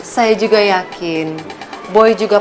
saya juga yakin boy juga